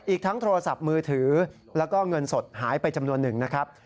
อีกทั้งโทรศัพท์มือถือแล้วก็เงินสดหายไปจำนวนหนึ่งนะครับ